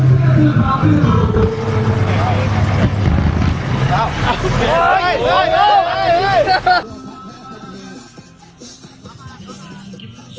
สวัสดีครับวันนี้ชัพเบียนเอ้าเฮ้ย